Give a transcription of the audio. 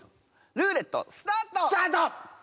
ルーレットスタート！スタート！